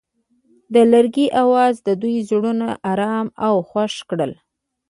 د لرګی اواز د دوی زړونه ارامه او خوښ کړل.